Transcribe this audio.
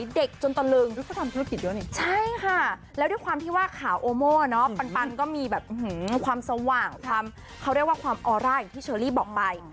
เขาเรียกว่าความออร่าอย่างที่เชอร์ลี่บอกไป